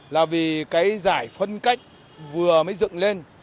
là vì cái giải phân cách vừa mới dựng lên